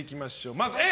まずＡ。